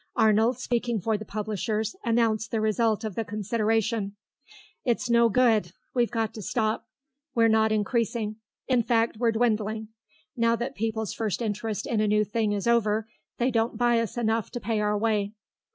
Arnold, speaking for the publishers, announced the result of the consideration. "It's no good. We've got to stop. We're not increasing. In fact, we're dwindling. Now that people's first interest in a new thing is over, they don't buy us enough to pay our way."